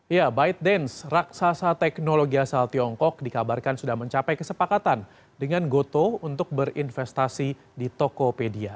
ya bite dance raksasa teknologi asal tiongkok dikabarkan sudah mencapai kesepakatan dengan gotoh untuk berinvestasi di tokopedia